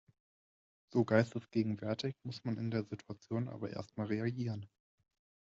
So geistesgegenwärtig muss man in der Situation aber erst mal reagieren.